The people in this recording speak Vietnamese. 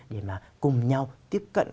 để mà cùng nhau tiếp cận